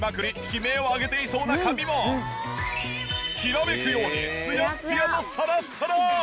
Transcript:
悲鳴を上げていそうな髪もきらめくようにツヤッツヤのさらっさら！